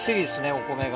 お米が。